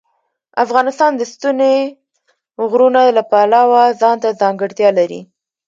افغانستان د ستوني غرونه د پلوه ځانته ځانګړتیا لري.